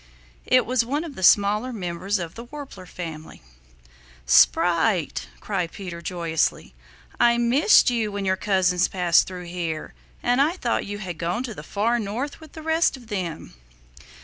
It was one of the smaller members of the Warbler family. "Sprite!" cried Peter joyously. "I missed you when your cousins passed through here, and I thought you had gone to the Far North with the rest of them."